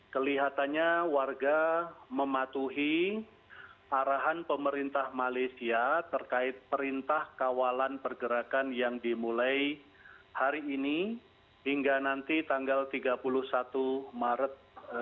kelihatannya warga mematuhi arahan pemerintah malaysia terkait perintah kawalan pergerakan yang dimulai hari ini hingga nanti tanggal tiga puluh satu maret dua ribu dua puluh